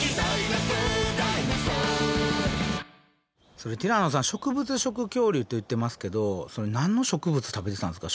それティラノさん植物食恐竜って言ってますけど何の植物食べてたんですか？